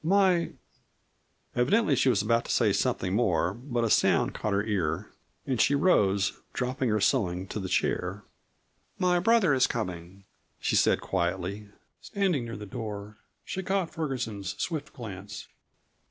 My " Evidently she was about to say something more, but a sound caught her ear and she rose, dropping her sewing to the chair. "My brother is coming," she said quietly. Standing near the door she caught Ferguson's swift glance.